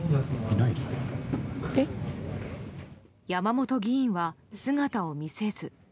山本議員は姿を見せず。